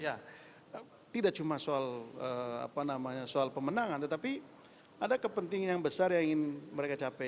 ya tidak cuma soal pemenangan tetapi ada kepentingan yang besar yang mereka ingin mereka capai